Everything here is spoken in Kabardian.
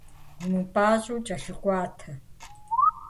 Умыпӏащӏэу кӏэлъыкӏуатэ.